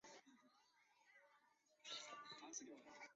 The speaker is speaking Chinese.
赤溪街道位于浙江省金华市兰溪市区西南部。